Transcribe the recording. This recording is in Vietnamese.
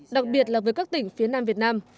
đặc biệt là với các tỉnh phía nam việt nam